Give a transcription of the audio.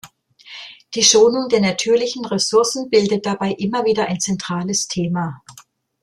Die Schonung der natürlichen Ressourcen bildet dabei immer wieder ein zentrales Thema.